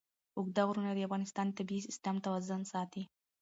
اوږده غرونه د افغانستان د طبعي سیسټم توازن ساتي.